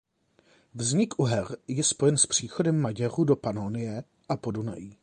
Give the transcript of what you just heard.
Vznik Uher je spojen s příchodem Maďarů do Panonie a Podunají.